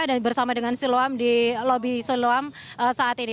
dan bersama dengan siloam di lobi siloam saat ini